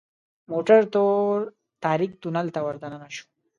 موټر تور تاریک تونل ته وردننه شو .